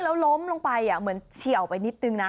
แล้วล้มลงไปเหมือนเฉียวไปนิดนึงนะ